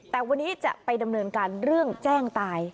แต่วันนี้จะไปดำเนินการเรื่องแจ้งตาย